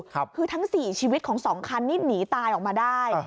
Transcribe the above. คือทั้ง๔ชีวิตของสองคันนี่หนีตายออกมาได้